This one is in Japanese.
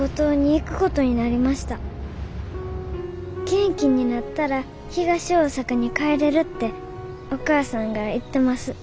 元気になったら東大さかに帰れるっておかあさんが言ってます。